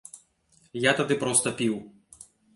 Я тады проста піў.